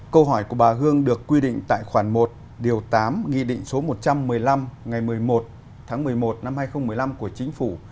câu hỏi của bà hương được quy định tại khoản một điều tám nghị định số một trăm một mươi năm ngày một mươi một tháng một mươi một năm hai nghìn một mươi năm của chính phủ